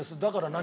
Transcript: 何？